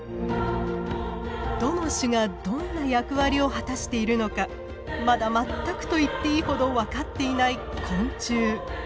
どの種がどんな役割を果たしているのかまだ全くといっていいほど分かっていない昆虫。